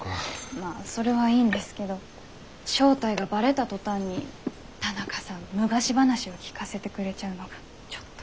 まあそれはいいんですけど正体がばれた途端に田中さん昔話を聞かせてくれちゃうのがちょっと。